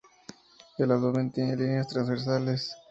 El abdomen tiene líneas transversales.